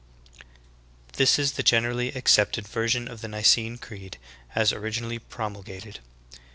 18. This is the generally accepted version of the Xicene Creed as originally promulgated.